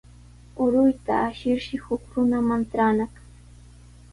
Aruyta ashirshi huk runaman traanaq.